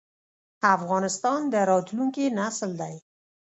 افغانستان د راتلونکي نسل دی